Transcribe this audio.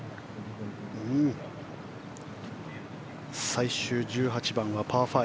最終１８番はパー５。